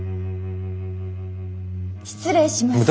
失礼します。